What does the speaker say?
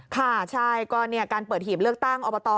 ค่ะใช่ก็การเปิดหีบเลือกตั้งอบต